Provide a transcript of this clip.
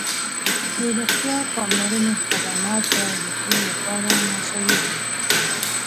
د روغتیا پاملرنې خدمات باید د ټولو لپاره مساوي وي.